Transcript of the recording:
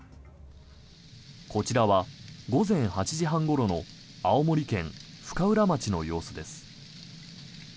こちらは午前８時半ごろの青森県深浦町の様子です。